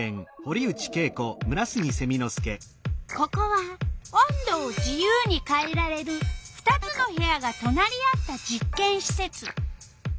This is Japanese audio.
ここは温度を自由にかえられる２つの部屋がとなり合った実けんしせつ。